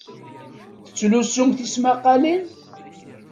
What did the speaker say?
Tettlusum tismaqqalin?